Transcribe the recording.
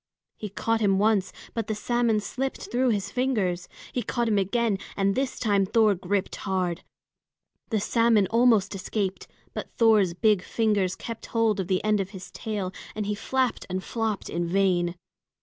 He caught him once, but the salmon slipped through his fingers. He caught him again, and this time Thor gripped hard. The salmon almost escaped, but Thor's big fingers kept hold of the end of his tail, and he flapped and flopped in vain.